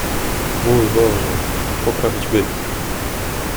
"Mój Boże, poprawić byt!"